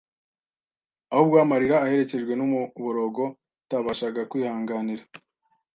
ahubwo amarira aherekejwe n'umuborogo atabashaga kwihanganira